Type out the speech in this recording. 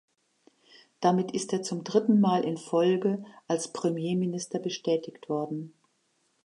Damit ist er zum dritten Mal in Folge als Premierminister bestätigt worden.